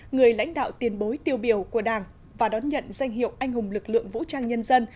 người lãnh đạo tiền bối tiêu biểu của đảng và đón nhận danh hiệu anh hùng lực lượng vũ trang nhân dân